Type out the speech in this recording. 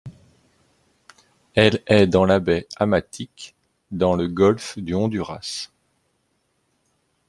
Elle est dans la baie Amatique, dans le golfe du Honduras.